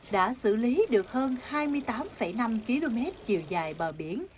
đã xử lý được hơn hai mươi tám năm km chiều dài bờ biển